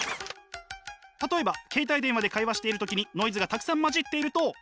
例えば携帯電話で会話している時にノイズがたくさん混じっていると。